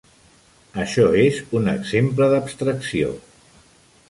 Això és un exemple d'abstracció.